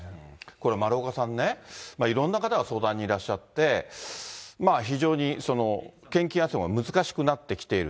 これ、丸岡さんね、いろんな方が相談にいらっしゃって、非常に献金集めも難しくなってきている。